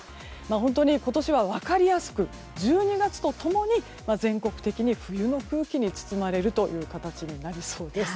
本当に今年は分かりやすく１２月と共に全国的に冬の空気に包まれるという形になりそうです。